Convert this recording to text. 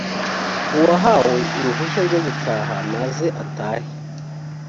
uwahawe uruhushya rwo gutaha naze atahe